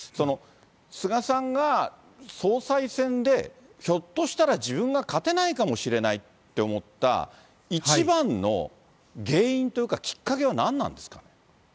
菅さんが総裁選でひょっとしたら自分が勝てないかもしれないって思った一番の原因というか、きっかけは何なんですか。